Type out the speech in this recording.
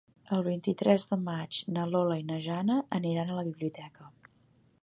El vint-i-tres de maig na Lola i na Jana aniran a la biblioteca.